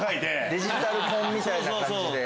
デジタル婚みたいな感じで。